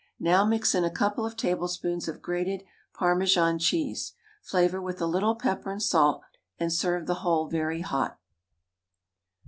Now mix in a couple of tablespoonfuls of grated Parmesan cheese. Flavour with a little pepper and salt, and serve the whole very hot.